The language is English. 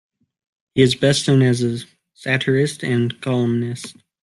He is best known as a satirist and columnist.